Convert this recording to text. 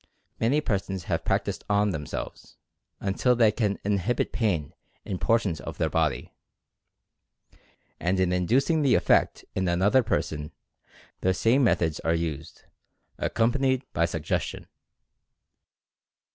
Many persons have practiced on themselves, until they can inhibit pain in portions of their body. And in inducing the effect in another person, the same methods are used, accom panied by suggestion.